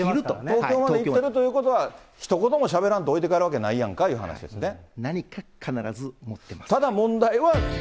東京まで行ってるということは、ひと言もしゃべらんと置いて帰るわけないやんかということですね。